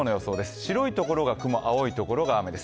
白いところが雲、青いところが雨です。